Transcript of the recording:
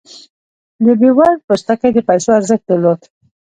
د بیور پوستکی د پیسو ارزښت درلود.